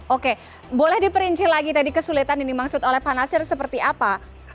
oke boleh diperinci lagi tadi kesulitan ini dimaksud oleh panasir seperti apa